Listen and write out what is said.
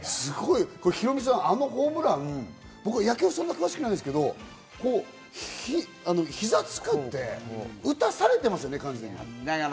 ヒロミさん、あのホームラン、野球はそんなに詳しくないんですけど、膝をつくって打たされてますよね、完全に。